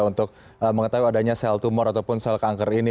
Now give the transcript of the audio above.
untuk mengetahui adanya sel tumor ataupun sel kanker ini